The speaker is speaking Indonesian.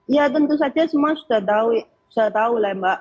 ya tentu saja semua sudah tahu lah mbak